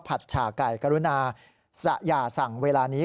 ผัดฉ่าไก่กรุณาสะยาสั่งเวลานี้